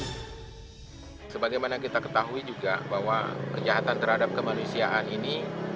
sebagaimana kita ketahui juga bahwa kejahatan terhadap kemanusiaan ini